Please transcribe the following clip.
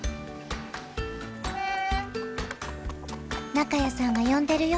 中谷さんが呼んでるよ。